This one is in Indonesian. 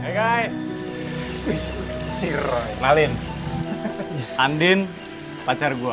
hey guys kenalin andin pacar gua